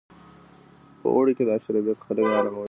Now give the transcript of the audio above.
په اوړي کې دا شربت خلک اراموي.